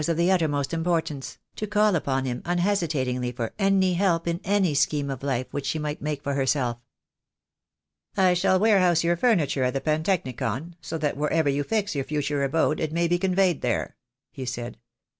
of the uttermost importance, to call upon him unhesitat ingly for any help in any scheme of life which she might make for herself. "I shall warehouse your furniture at the Pantechnicon, so that wherever you fix your future abode it may be conveyed there," he said.